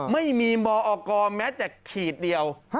ไม่มีมอกแม้แต่ขีดเดียว